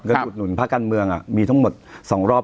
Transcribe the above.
อุดหนุนภาคการเมืองมีทั้งหมด๒รอบ